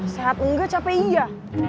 sehat enggak capek iya